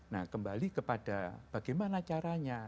nah kembali kepada bagaimana caranya